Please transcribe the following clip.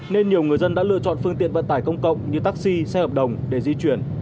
nên nhiều người dân đã lựa chọn phương tiện vận tải công cộng như taxi xe hợp đồng để di chuyển